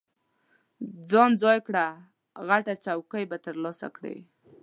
ځان ځای کړه، غټه چوکۍ به ترلاسه کړې.